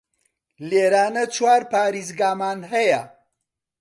لێرانە چوار پاریزگامان هەیە